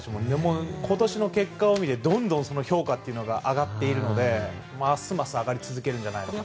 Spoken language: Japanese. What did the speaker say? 今年の結果を見てどんどん評価は上がっているのでますます上がり続けるんじゃないかという。